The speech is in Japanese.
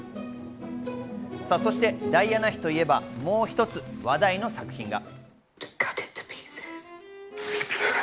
そして、ダイアナ妃といえば、もう一つ話題の作品が。